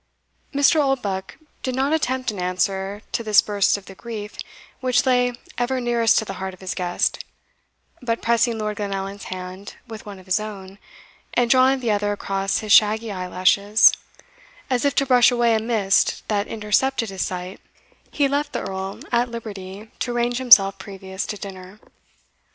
Mr. Oldbuck did not attempt an answer to this burst of the grief which lay ever nearest to the heart of his guest, but, pressing Lord Glenallan's hand with one of his own, and drawing the other across his shaggy eyelashes, as if to brush away a mist that intercepted his sight, he left the Earl at liberty to arrange himself previous to dinner.